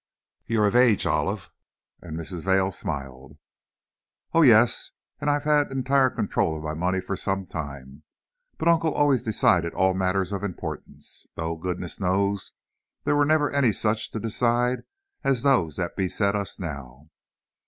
"You're of age, Olive," and Mrs. Vail smiled. "Oh, yes, and I've had entire control of my money for some time. But Uncle always decided all matters of importance, though, goodness knows, there never were any such to decide as those that beset us now!